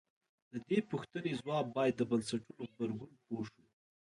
د دې پوښتنې ځواب باید د بنسټونو غبرګون پوه شو.